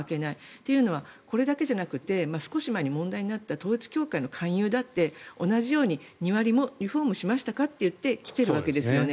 というのはこれだけじゃなくて少し前に問題になった統一教会の勧誘だって同じように庭、リフォームしましたか？と言って来てるわけですよね。